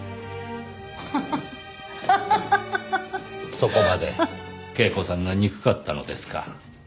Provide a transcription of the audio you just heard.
そこまで恵子さんが憎かったのですか？